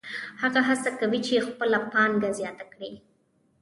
هغه هڅه کوي چې خپله پانګه زیاته کړي